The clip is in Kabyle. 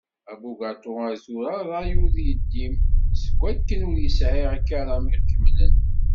Abugaṭu ar tura ṛṛay ur t-yeddim, seg akken ur yesɛi akaram ikemlen.